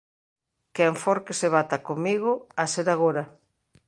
Quen for que se bata comigo, ha ser agora.